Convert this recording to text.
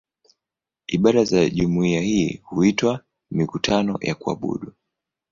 Ibada za jumuiya hii huitwa "mikutano ya kuabudu".